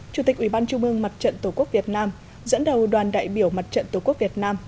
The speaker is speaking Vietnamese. chủ tịch ủy ban trung mương mặt trận tổ quốc việt nam dẫn đầu đoàn đại biểu mặt trận tổ quốc việt nam